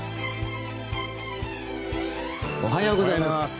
おはようございます。